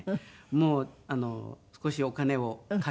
もう少しお金をかけて。